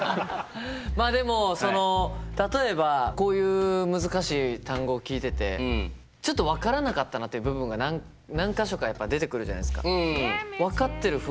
まあでもその例えばこういう難しい単語聞いててちょっと分からなかったなっていう部分が何か所かやっぱ出てくるじゃないすか。